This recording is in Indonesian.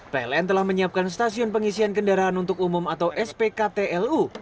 pln telah menyiapkan stasiun pengisian kendaraan untuk umum atau spktlu